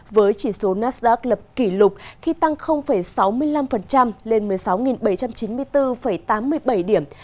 với chỉ số nasdaq lập kỷ lục khi tăng sáu mươi năm lên một mươi sáu bảy trăm chín mươi bốn tám mươi bảy điểm